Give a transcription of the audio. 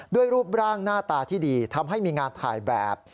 รูปร่างหน้าตาที่ดีทำให้มีงานถ่ายแบบ